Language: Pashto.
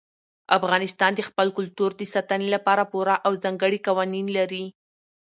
افغانستان د خپل کلتور د ساتنې لپاره پوره او ځانګړي قوانین لري.